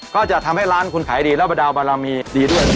ก็จะทำให้ร้านคุณขายดีแล้วบรรดาวบารมีดีด้วย